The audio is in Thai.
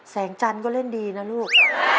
แสงจันก็เล่นดีนะลุก